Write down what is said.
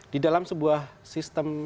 di dalam sebuah sistem